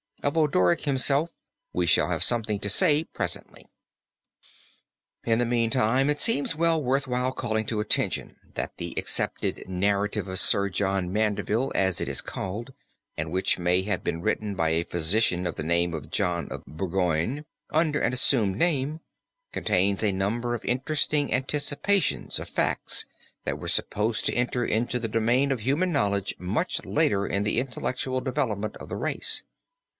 Of Odoric himself we shall have something to say presently. In the meantime it seems well worth while calling to attention, that the accepted narrative of Sir John Mandeville as it is called, and which may have been written by a physician of the name of John of Burgoigne under an assumed name, contains a number of interesting anticipations of facts that were supposed to enter into the domain of human knowledge much later in the intellectual development of the race.